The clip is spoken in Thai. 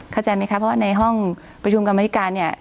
เข้าใจมั้ยคะเพราะในห้องประชุมกรรมาุธิการเนี่ย